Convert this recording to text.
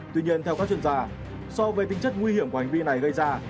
tuy nhiên theo các chuyên gia so với tính chất nguy hiểm của hành vi này gây ra